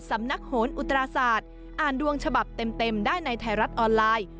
สำนักโหนอุตราศาสตร์อ่านดวงฉบับเต็มได้ในไทยรัฐออนไลน์